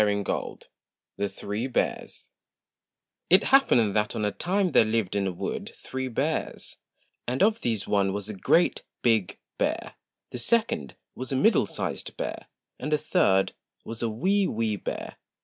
N 193 THE THREE BEARS T happened that on a time there lived in a wood three bears ; and of these one was a GREAT BIG BEAR, the second was a MIDDLE SIZED BEAR, and the third was a WEE WEE BEAR.